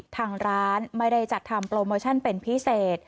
ทางร้านไม่ได้จัดทำโปรโมชั่นเป็นพิเศษ